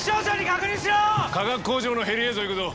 化学工場のヘリ映像いくぞ。